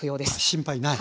心配ない。